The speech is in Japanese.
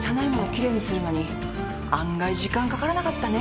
きれいにするのに案外時間かからなかったね